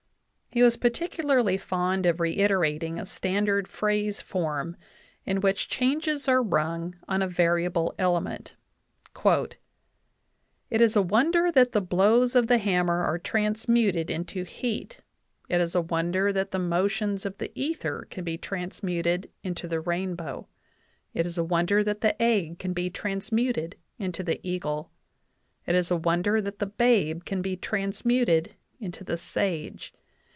He was particularly fond of reiterating a standard phrase form, in which changes are rung on a variable element : "It is a wonder that the blows of the hammer are transmuted into heat. It is a wonder that the motions of the ether can be transmuted into the rainbow. It is a wonder, that the egg can be transmuted into the eagle. It is a wonder that the babe can be transmuted into the sage.